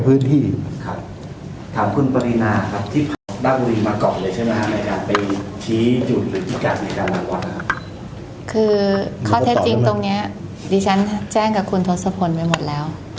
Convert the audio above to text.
คือข้อเท็จจริงตรงเนี้ยที่ฉันแจ้งกับคุณทดสทำพลไปหมดแล้ว